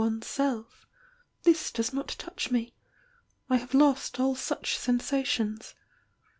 °^^ self, this does not touch me I have lost aU such sensations.